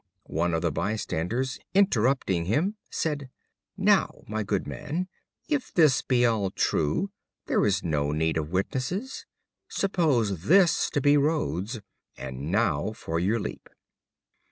One of the bystanders, interrupting him, said: "Now, my good man, if this be all true, there is no need of witnesses. Suppose this to be Rhodes and now for your leap."